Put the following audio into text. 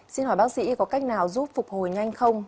xin hỏi bác sĩ có cách nào giúp phục hồi nhanh không